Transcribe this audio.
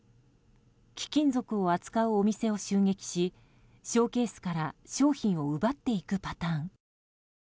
貴金属を扱うお店を襲撃しショーケースから商品を奪っていくパターン。